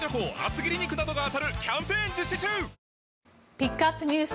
ピックアップＮＥＷＳ